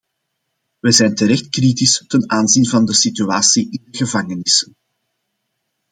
We zijn terecht kritisch ten aanzien van de situatie in de gevangenissen.